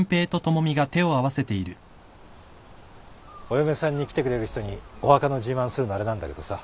お嫁さんにきてくれる人にお墓の自慢するのあれなんだけどさ。